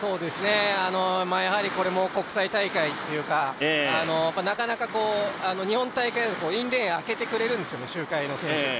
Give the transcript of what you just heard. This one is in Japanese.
やはりこれも国際大会っていうか日本大会はインレーンあけてくれるんですね、周回の選手は。